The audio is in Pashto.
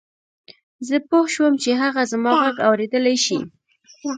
زه پوه شوم چې هغه زما غږ اورېدلای شي.